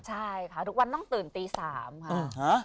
ใช่ค่ะทุกวันต้องตื่นตี๓ค่ะ